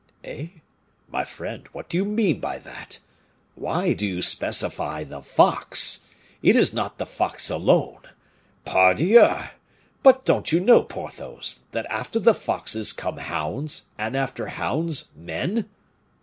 "Eh! my friend, what do you mean by that? why do you specify the fox? It is not the fox alone. Pardieu! But don't you know, Porthos, that after the foxes come hounds, and after hounds men?"